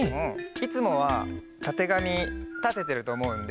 いつもはたてがみたててるとおもうので。